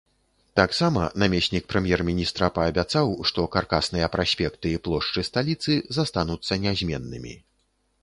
Таксама намеснік прэм'ер-міністра паабяцаў, што каркасныя праспекты і плошчы сталіцы застануцца нязменнымі.